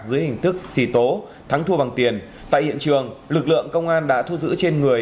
dưới hình thức xì tố thắng thua bằng tiền tại hiện trường lực lượng công an đã thu giữ trên người